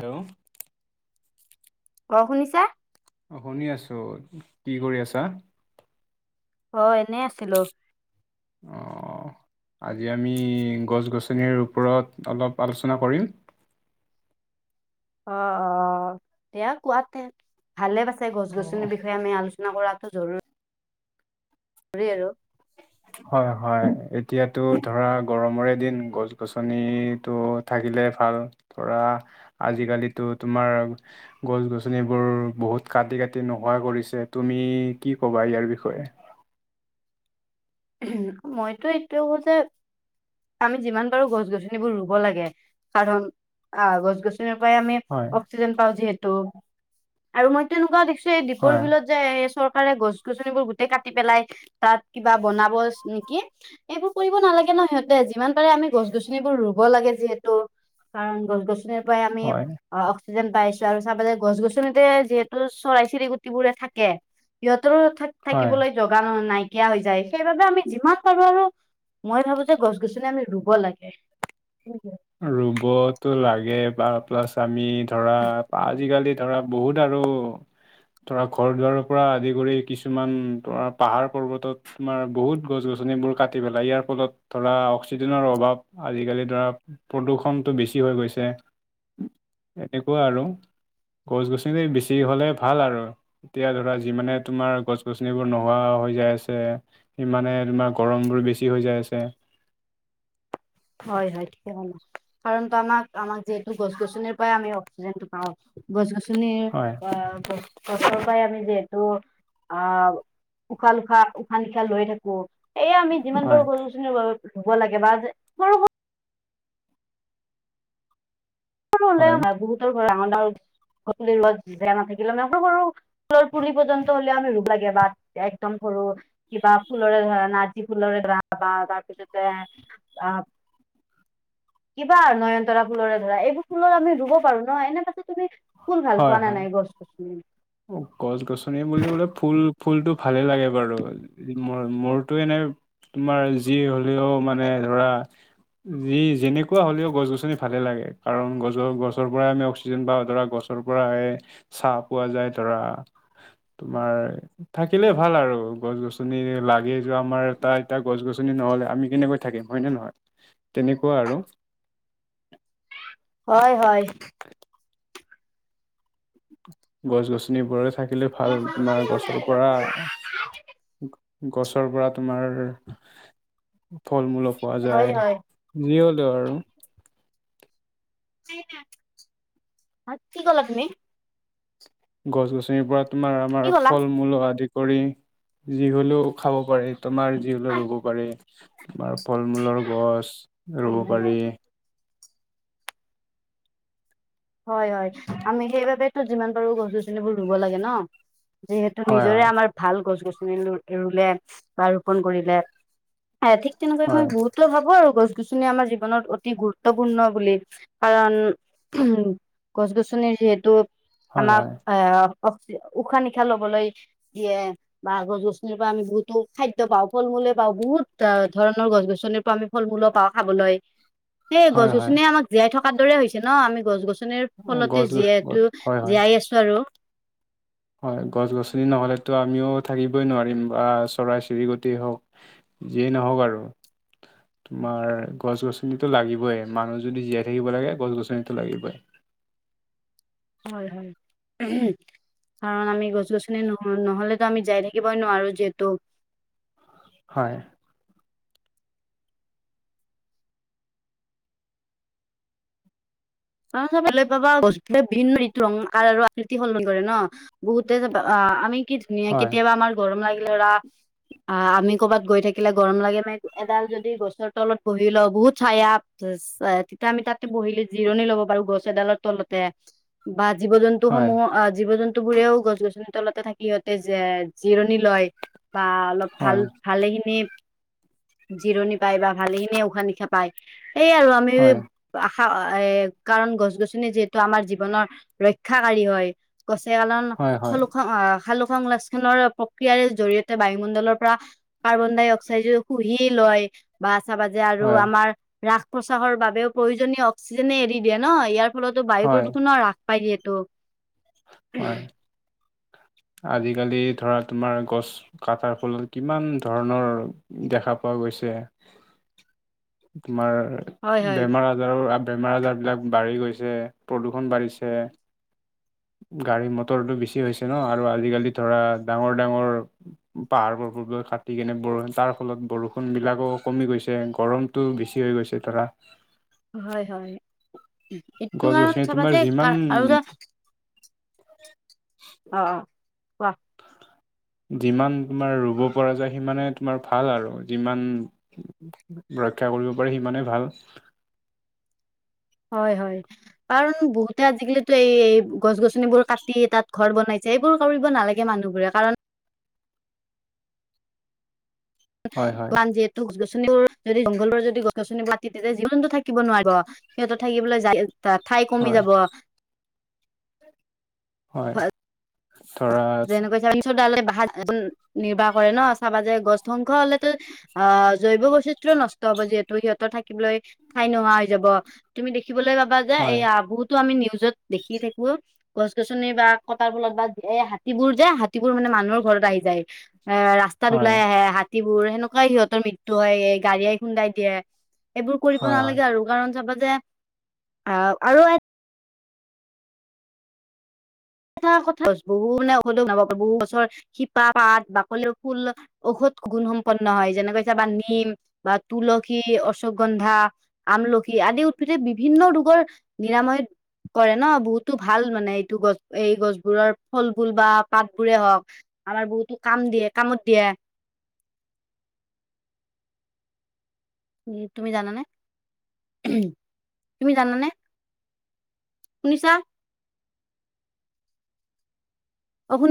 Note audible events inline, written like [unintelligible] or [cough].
Hello অ শুনিছা। অ শুনি আছো কি কৰি আছা? অ এনেই আছিলো। অ আজি আমি গছ গছনিৰ ওপৰত অলপ আলোচনা কৰিম। [inaudible] অ অ হেয়া কোৱাতে ভালে পছে গছ অ', গছনিৰ বিষয়ে আমি আলোচনা আলোচনা কৰাটো জৰুৰ ঘ আৰু হয় হয় এতিয়াতো ধৰা গৰমৰে দিন গছ গছনিটো থাকে দিলে ভাল ধৰা আজিকালিতো তোমাৰ গছ গছনিবোৰ বহুত। কাটি কাটি নোহোৱা কৰিছে তুমি কি কবা ইয়াৰ বিষয়ে। মইতো এইটোয়ে কও যে আমি যিমান পাৰো গছ গছনিবোৰ ৰুব লাগে, কাৰণ অ গছ গছ জনি পৰাই আমি হয় অক্সিজেন পাও যিহেতু আৰু মই তেনেকুৱাও দেখছো। দীপৰ হয় বিলত যে এই চৰকাৰে গছ গছনিবোৰ গোটেই কাটি পেলাই তাত কিবা। বনাব নেকি এইবোৰ কৰিব নালাগে ন সিহতে যিমান পাৰে আমি গছ গছনিবোৰ ৰুব লাগে যিহেতু। [unintelligible] কাৰণ গছ গছনিৰ পৰা আমি হয় অ অক্স যেন পাইছো আৰু চাবা যে গছ গছনিতে যিহেতু চৰাই চিৰিকুটিবোৰে থাকে সিহত। হয়। থাকিবলৈ যোগান নাইকিয়া হৈ যায়। সেইবাবে আমি যিমান পাৰো আৰু মই ভাবো যে গছ গছনি আমি ৰুব লাগে। ৰুবতো লাগে বা প্লাছ আমি ধৰা আজিকালিত, ধৰা বহুত আৰু। তৰা ঘৰ দুৱাৰৰ পৰা আদি কৰি কিছুমান তোৰা পাহাৰ পৰ্বতত তোমাৰ বহুত গছ গছনি। গছনিবোৰ কাটি পেলাই ইয়াৰ ফলত ধৰা অক্সিজেনৰ অভাৱ আজিকালি ধৰা। প্ৰদূষণটো বেছি হৈ গৈছে এনেকুৱা আৰু, গছ গছনি বেছি হলে ভাল আৰু এতিয়া ধৰা যিমানে তোমাৰ গছ গছনিবোৰ নোহোৱা। হৈ যায় আছে সিমানে তোমাৰ গৰমবোৰ বেছি হৈ যায় আছে। হয় হয় থিকেইে কাৰণো আমাক আমাক যিহেতু গছ গছনিৰ পৰা আমি অক্সিজেনটো পাওঁ। গছ গছনি হয় ফল চল। পাই আমি যিহেতু আহ উশাহ লুশাহ উশাহ নিশাহ লৈ থাকো। এই আমি যিমান হয় পাৰো গৰুছিৰ ধুব লাগে বা যে। হয় বহুতৰ ঘ জেয়া না থাকিলে মানে ঘৰ। ফুলৰ পুলি পৰ্যন্ত হ'লেও আমি ৰোগ লাগে বা একদম সৰু কিবা ফুলৰে ধৰা না যি ফুলৰে। বা তাৰপিছতে অ। [unintelligible] কিবা নয়নতৰা ফুলৰে ধৰা এইবোৰ ফুলৰ আমি ৰুব পাৰো ন এনে পাছত তুমি। ফুল ভাল হয় পোৱা নে হয় নাই গছ গছনি? গছ গছনি বুলিবলে ফুল। ফুলতটো ভালেই লাগে বাৰু ম মোৰটো এনেই, তোমাৰ যি হলেও মানে ধৰা। যি যেনেকুৱা হ'লেও গছ গছনি ভালে লাগে কাৰণ গছ গছৰ পৰাই আমি অক্সিজেন ধৰা গছ, ৰ পৰা চাহ পোৱা যায় তৰা তোমাৰ থাকিলে ভাল আৰু, গছ গছনি লাগে য আমাৰ এটা এয়া গছ গছনি নহলে আমি কেনেকৈ থাকিম হয় নে নহয়। তেনেকুৱা আৰু, হয় হয়। গছ গছনিবোৰে থাকিলে ভাল তোমাৰ গছৰ পৰা। গছৰ পৰা তোমাৰ। ফল মূলো পোৱা হয় যায় হয় যি হ'লেও আৰু, কি ক'লা তুমি। গছ গছনিৰ পৰা তোমাৰ কি আমাৰ ক'লা? ফল মূলো আদি। কৰি যি হলেও খাব পাৰে তোমাৰ যি হলেও ৰুব পাৰে। তোমাৰ ফল মূলৰ গছ ৰুব পাৰি। হয় হয় আমি সেইবাবেতো যিমান পাৰো গছ গছনিবোৰ ৰুব লাগে ন। যিহেতু হয় নিজৰে হয় আমাৰ ভাল গছ গছনি ৰুলে বা ৰোপন কৰিলে। ঠিক তেনেকৈ মই হয় বহুত লো ভাবো আৰু। গছ গছনি আমাৰ জীৱনত অতি গুৰুত্বপূৰ্ণ বুলি কাৰণ, উ গছ গছনিৰ যিহেতু হয় আমাক হয় আহ, অ্ উশাহ নিশাহ লবলৈ দিয়ে বা গছ গছনিৰ পৰা আমি বহুতো খাদ্য পাওঁ ফল মূল। লৱা পাওঁ বহুত ধৰণৰ গছ গছনিৰ পৰা আমি ফল মূলো পাওঁ খাবলৈ। সেই গছ হয় হয় গছনি আমাক জীয়াই থকাৰ দৰে হৈছে ন আমি গছ গছনি। মানে ফলতে গছ গছ জিহেতটো গছ হয় হয় জীয়াই আছো আৰু হয় গছ গছনি নহলেতো আমিও থাকিবই নোৱাৰিম বা চৰাই চিৰিকটেই হওক। যিয়েই নহওক আৰু, তোমাৰ গছ গছনিতো লাগিবই মানুহ যদি জীয়াই থাকিব লাগে গছ গছনিতটো লাগিবই। [unintelligible] হয় হয়। কাৰণ আমি গছ গছনি ন নহলেতো আমি যাই থাকিবই নোৱাৰো যিহেতু। হয়। অ চাবলে পাবা বস্তুএ ভিন্ন ঋতু ৰং কাৰ আৰু আৃতি সলন কৰে ন বহুতে যাবা অ আমি। কি ধুনীয়া হয় কেতিয়াবা আমাৰ ঘৰম লাগিলেৰা। আ আমি কৰ'বাত গৈ থাকিলে গৰম লাগেনে এডাল যদি গছৰ তলত বহি লওঁ বহুত চায়া ইচাত তেতিয়া মি তাতে বহিলে জিৰণি ল'ব বাৰু গছ‌ এডালৰ তলতে বা জীৱ জন্তু হয় সমূহ অ জীৱ জ ন্তু বোৰেও গছ গছনি তলতে থাকি সিহঁতে যে জিৰণি লয় বা অলপ ভাল হয় ভালেখিনি জিৰণি পায় বা ভালেখিনি উশাহ নিশাহ পায় এই আৰু আমি হয় আশা এ কাৰণ গছ গছনি যিহেতু আমাৰ জীৱনৰ ৰক্ষাকাৰী হয় গছে আলা ন হয় খালু খ অ খালো সংৰক্ষণৰ প্ৰক্ৰিয়াৰ জৰিয়তে বায়ুমণ্ডলৰ পৰা কাৰ্বন ডাই অক্সাইডো শুহি লয় বাছ চাবা যে আৰু হয় হয় আমাৰ ৰাস প্ৰসাসৰ বাবেও প্ৰয়োজনীয় অক্সিজেনে এৰি দিয়ে ন ইয়াৰ ফলতো বায়ু হয় প্ৰদূষণ হ্ৰাস পাই যিহেতো হয় আজিকালি ধৰা তোমাৰ গছ কটাৰ ফলত কিমান ধৰণৰ দেখা পোৱা গৈছে তোমাৰ হয় হয় বেমাৰ আজাৰৰ আপ বেমাৰ আজাৰবিলাক বাঢ়ি গৈছে প্ৰদূষণ বাঢ়িছে গাড়ী মটৰটো বেছি হৈছে ন আৰু আজিকালি ধৰা ডাঙৰ ডাঙৰ পাহাৰ পৰ্ব কাটি কেনে বৰ তাৰ ফলত বৰষুণবিলাকো কমি গৈছে গৰমটো বেছি হৈ গৈছে ধৰা হয় হয় এইটো গছ কাৰণ গছনি চাবা তোমাৰ যে যিমান কাৰ [unintelligible] অ অ কোৱা যিমান তোমাৰ ৰুব পৰা যায় সিমানে তোমাৰ ভাল আৰু যিমান ৰক্ষা কৰিব পাৰি সিমানেই ভাল হয় হয় কাৰণ বহুতে আজিকলিতো এই গছ গছনিবোৰ কাটি তাত ঘৰ বনাই সেইবোৰ কৰিব নালাগে মানুহবোৰে কাৰণ হয় হয় মান যিহেতু গছননি যদি জংঘলৰ যদি গছ গছনি পাতি তেতিয়া জীৱ জন্তু থাকিব নোৱাৰিব সিহঁত থাকিবলৈ যায় তা ঠাই কমি হয় যাব হয় ধৰা যেনে ডালে বা হাত নিৰ্বাহ কৰে ন চাবা যায় গছ ধ্বংস হলেতো অ জৈৱ বৈচিত্যও নষ্ট যিহেতু সিহঁতৰ থাকিবলৈ ঠাই নোহোৱা হৈ যাব তুমি দেখিবলৈ পাবা যে হয় এইয়া বহুতো আমি যত দেখি থাকো গছ গছনি বা কটাৰ ফলত যিবোৰ যে হাতীবোৰ মানে মানুহৰ ঘৰত আহি যায় এ ৰাস্তাত হয় ওলাই আহে হাতীবোৰ সেনো কাই সিহঁতৰ মৃত্য হয় এই গাড়িয়াই খুন্দাই দিয়ে এইবোৰ কৰিব হয় হয় নালাগে আৰু কাৰণ চাবা যে আও আৰু এটা কথা বহুত মানে ঔষধ বনাব পাৰে বহুত গছৰ শিপা পাত বাকলিও ফুল ঔষধ গুণ সম্পন্ন হয় যেনেকৈ হৈছে আমাৰ নিম বা তুলসী অশোকগন্ধা আমলখি আদি উদ্ভিদে বিভিন্ন ৰোগৰ নিৰাময় কৰে ন বহুতো ভাল মানে এইটো গছ এই গছবোৰৰ ফলফুল বা পাত বোৰে হওক আমাৰ বহুতো কাম দিয়ে কামত দিয়ে [inaudible] উ তুমি জানানে তুমি জানানে শুনিছা অসোনি